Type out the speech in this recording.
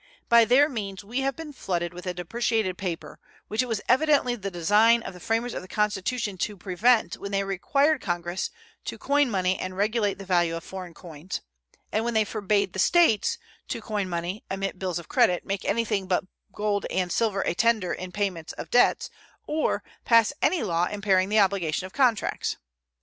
By their means we have been flooded with a depreciated paper, which it was evidently the design of the framers of the Constitution to prevent when they required Congress to "Coin money and regulate the value of foreign coins," and when they forbade the States "to coin money, emit bills of credit, make anything but gold and silver a tender in payment of debts," or "pass any law impairing the obligation of contracts."